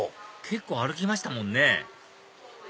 結構歩きましたもんね